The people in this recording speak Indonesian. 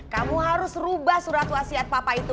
kamu harus rubah surat wasiat papa itu